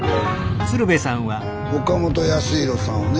岡本安広さんをね